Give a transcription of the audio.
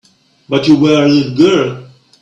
But you were a little girl.